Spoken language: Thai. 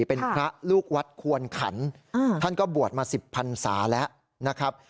เป็นพระลูกวัดควรขันท่านก็บวชมา๑๐พันศาแล้วนะครับ